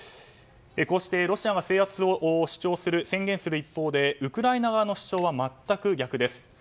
こうしてロシアが制圧を主張し宣言する一方でウクライナ側の主張は全く逆です。